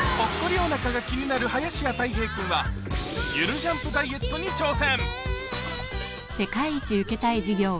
お腹が気になる林家たい平君はゆるジャンプダイエットに挑戦